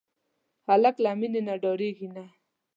هلک له مینې نه ډاریږي نه.